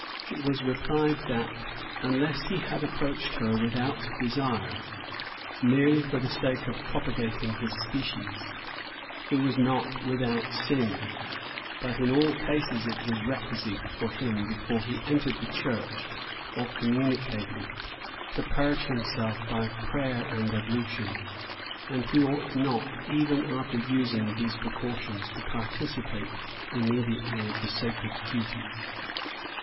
It was replied, that, unless he had approached her without desire, merely for the sake of propagating his species, he was not without sin; but in all cases it was requisite for him, before he entered the church, or communicated, to purge himself by prayer and ablution; and he ought not, even after using these precautions, to participate immediately of the sacred duties.